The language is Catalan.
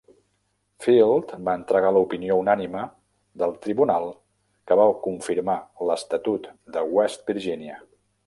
Field va entregar l'opinió unànime del tribunal que va confirmar l'estatut de West Virginia.